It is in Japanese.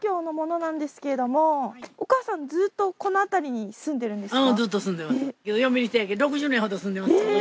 お母さんずっとこのあたりに住んでるんですか？